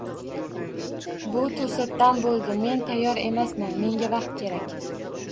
- Bu to'satdan bo'ldi, men tayyor emasman, menga vaqt kerak!